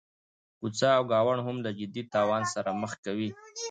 کوڅه او ګاونډ هم له جدي تاوان سره مخ کوي.